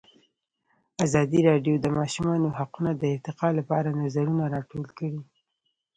ازادي راډیو د د ماشومانو حقونه د ارتقا لپاره نظرونه راټول کړي.